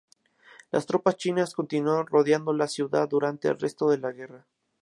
Las tropas chinas continuaron rodeando la ciudad durante el resto de la guerra.